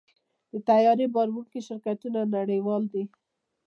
د طیارې بار وړونکي شرکتونه نړیوال دي.